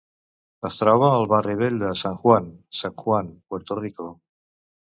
Es troba al barri vell de San Juan, San Juan, Puerto Rico.